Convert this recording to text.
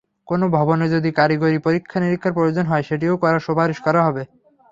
কোনো ভবনের যদি কারিগরি পরীক্ষা-নিরীক্ষার প্রয়োজন হয়, সেটিও করার সুপারিশ করা হবে।